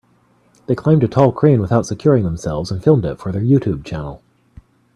They climbed a tall crane without securing themselves and filmed it for their YouTube channel.